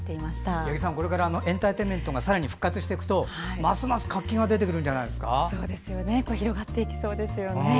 八木さん、これからエンターテインメントがさらに復活していくとますます活気が広がっていきそうですね。